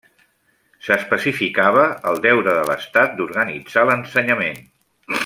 S'especificava el deure de l'Estat d'organitzar l'ensenyament.